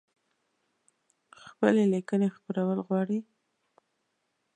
خپلي لیکنۍ خپرول غواړی؟